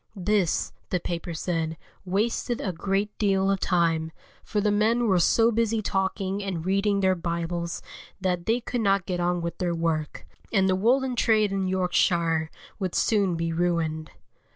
This, the paper said, wasted a great deal of time, for the men were so busy talking and reading their Bibles that they could not get on with their work, and the woollen trade in Yorkshire would soon be ruined.